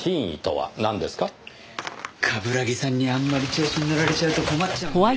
冠城さんにあんまり調子にのられちゃうと困っちゃうんで。